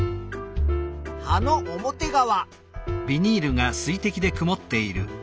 葉の表側。